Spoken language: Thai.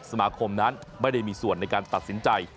สมาคมนั้นไม่ได้มีส่วนในการตัดสินใจ